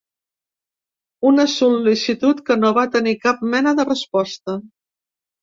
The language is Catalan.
Una sol·licitud que no va tenir cap mena de resposta.